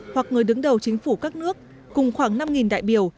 hoặc người đứng đầu chính phủ các nước cùng khoảng năm đại biểu